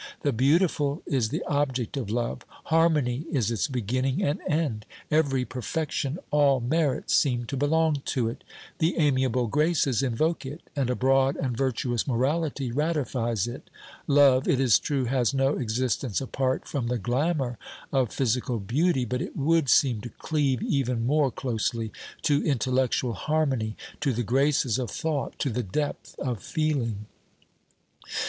The beautiful is the object of love ; harmony is its beginning and end ; every perfection, all merits, seem to belong to it ; the amiable graces invoke it, and a broad and virtuous morality ratifies it. Love, it is true, has no existence apart from the glamour of physical beauty, but it would seem to cleave even more closely to intellectual harmony, to the graces of thought, to the depth of feeling.